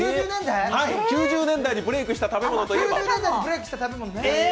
９０年代にブレイクした食べ物といえば！